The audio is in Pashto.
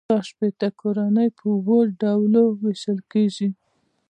دا شپیته کورنۍ په اووه ډلو وېشل کېږي